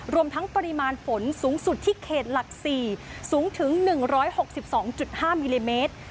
รวมทั้งปริมาณฝนสูงสุดที่เขตหลัก๔สูงถึง๑๖๒๕มิลลิเมตร